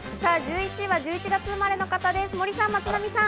１１位は１１月生まれの方、森さん、松並さん。